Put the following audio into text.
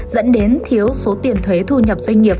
dẫn đến thiếu số tiền thuế thu nhập doanh nghiệp